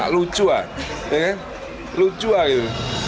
lucu ah ya kan lucu ah gitu